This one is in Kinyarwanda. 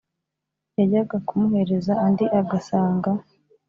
yajya kumuhereza andi agasanga